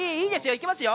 いきますよ